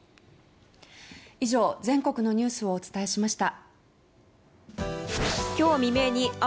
以上、全国のニュースをお伝えしました。